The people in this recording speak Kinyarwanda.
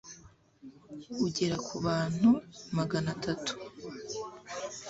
ugera ku bantu magana atatu